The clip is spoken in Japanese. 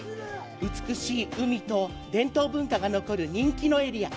美しい海と伝統文化が残る人気のエリア。